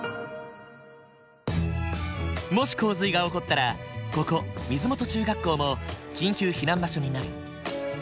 もし洪水が起こったらここ水元中学校も緊急避難場所になる。